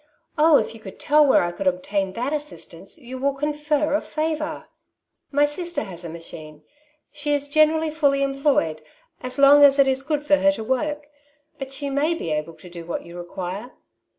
Oh, if you could tell where I could obtain that assist ance, you will confer a favour." •'My sister has a machine. She is generally fully employed, as long as it is good for her to work; but she may be able to do what you ro« quire."